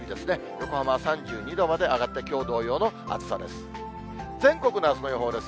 横浜は３２度まで上がって、きょう同様の暑さです。